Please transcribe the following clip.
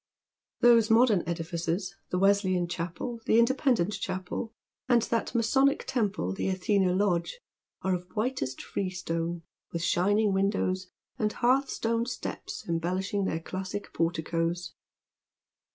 Those modern edifices, the Wesleyan Chapel, the Independent Chapel, and that masonic temple the Athena Lodge, are of whitest freestone, with Binning windows, and hearthstoned steps embellishing their classic porticoes.